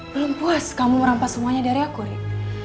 belum puas kamu merampas semuanya dari aku rib